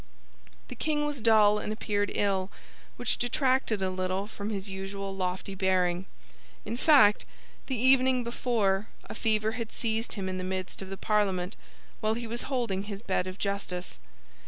The king was dull and appeared ill, which detracted a little from his usual lofty bearing. In fact, the evening before, a fever had seized him in the midst of the Parliament, while he was holding his Bed of Justice.